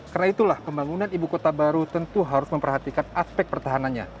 karena itulah pembangunan ibu kota baru tentu harus memperhatikan aspek pertahanannya